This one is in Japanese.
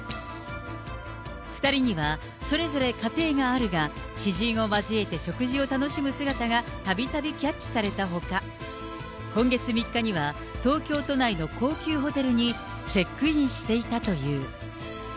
２人にはそれぞれ家庭があるが、知人を交えて食事を楽しむ姿がたびたびキャッチされたほか、今月３日には、東京都内の高級ホテルにチェックインしていたという。